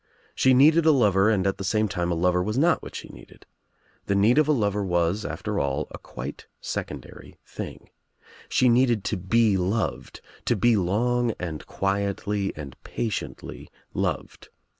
"She needed a lover and at the same time a lover was not what she needed. The need of a lover was, after all, a quite secondary thing. She needed to be loved, to be long and quietly and patiently loved.